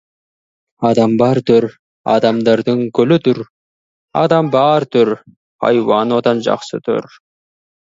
Адам бар дүр, адамдардың гүлі дүр, адам бар дүр, хайуан одан жақсы дүр.